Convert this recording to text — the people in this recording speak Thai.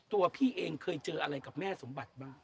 พี่เองเคยเจออะไรกับแม่สมบัติบ้าง